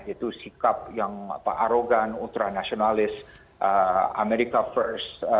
itu sikap yang arogan ultra nasionalis amerika first